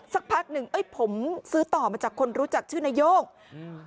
สักพักหนึ่งเอ้ยผมซื้อต่อมาจากคนรู้จักชื่อนายกอืม